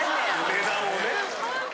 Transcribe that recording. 値段をね。